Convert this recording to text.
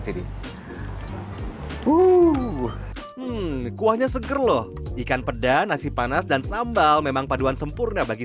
sini uhm kuahnya seger loh ikan peda nasi panas dan sambal memang paduan sempurna bagi